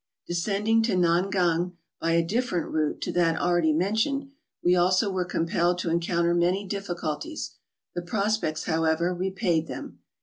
Descending to Nangang by a different route to that already mentioned, we also were compelled to encounter many difficulties ; the prospects, however, repaid them.